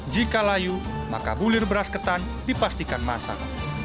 jika layu maka bulir beras ketan dipastikan masak